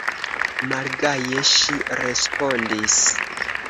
Malgaje ŝi respondis: